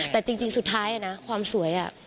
แต่จริงสุดท้ายนะความสวย